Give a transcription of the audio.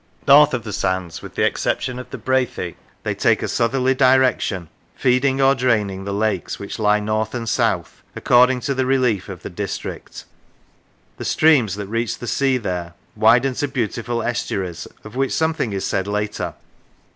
North of the sands, wkh the exception of the Brathay, they take a southerly direction, feeding or draining the lakes, which lie north and south, according to the relief of the district. The streams that reach the sea there widen to beautiful estuaries, of which something is said later.